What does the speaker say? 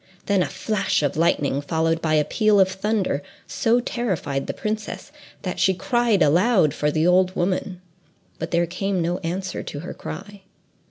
Then a flash of lightning, followed by a peal of thunder, so terrified the princess, that she cried aloud for the old woman, but there came no answer to her cry.